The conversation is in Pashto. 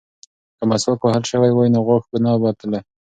که مسواک وهل شوی وای نو غاښ به نه ووتلی.